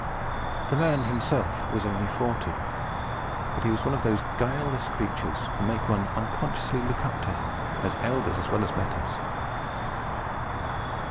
The man himself was only forty; but he was one of those guileless creatures who make one unconsciously look up to them as elders as well as betters.